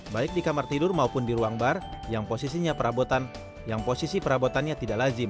baik di kamar tidur maupun di ruang bar yang posisinya perabotan yang posisi perabotannya tidak lazim